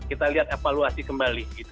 kita lihat evaluasi kembali